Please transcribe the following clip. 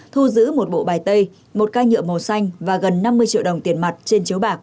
thu giữ một bộ bài tay một ca nhựa màu xanh và gần năm mươi triệu đồng tiền mặt trên chiếu bạc